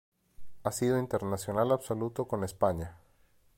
Ha sido internacional absoluto con España.